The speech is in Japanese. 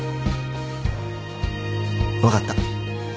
分かった。